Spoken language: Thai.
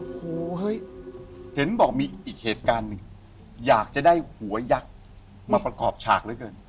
โอ้โหเฮ้ยเห็นบอกมีอีกเหตุการณ์หนึ่งอยากจะได้หัวยักษ์มาประกอบฉากเหลือเกิน